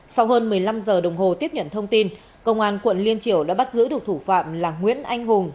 sau hơn một mươi năm giờ đồng hồ tiếp nhận thông tin công an quận liên triều đã bắt giữ được thủ phạm là nguyễn anh hùng